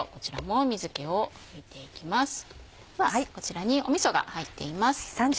ではこちらにみそが入っています。